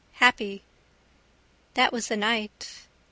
Happy. That was the night...